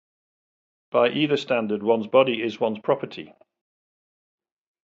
By either standard, one's body is one's property.